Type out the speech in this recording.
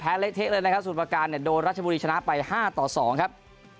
แพ้เล็กเทคเลยนะครับสูตรประการโดนรัชบุรีชนะไปห้าต่อสองครับ